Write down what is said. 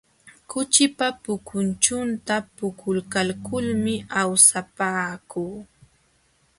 Kuchipa pukuchunta puukaykulmi awsapaakuu.